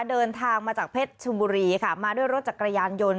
เดินทางมาจากเพชรชบุรีค่ะมาด้วยรถจักรยานยนต์